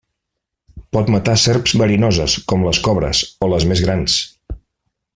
Pot matar serps verinoses, com les cobres, o les més grans.